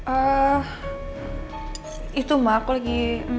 eh itu mah aku lagi